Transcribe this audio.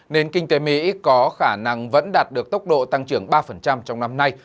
nền kinh tế mỹ có khả năng vẫn đạt được tốc độ tăng trưởng ba trong năm nay